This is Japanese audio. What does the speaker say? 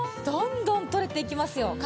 どんどん取れていきますよ